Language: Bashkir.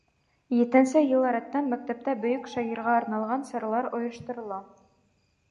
Етенсе йыл рәттән мәктәптә бөйөк шағирға арналған саралар ойошторола.